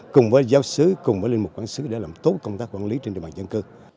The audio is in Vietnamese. cùng với giáo sứ cùng với liên mục quán sứ để làm tốt công tác quản lý trên địa bàn dân cư